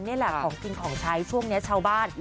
นี่แหละของกินของใช้ช่วงนี้ชาวบ้าน